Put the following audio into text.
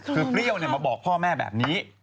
คือเปรี้ยวมาบอกพ่อแม่แบบนี้